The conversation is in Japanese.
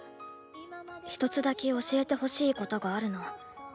「ひとつだけおしえてほしいことがあるの。